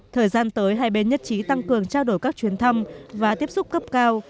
thời gian tới hai bên nhất trí tăng cường trao đổi các chuyến thăm và tiếp xúc cấp cao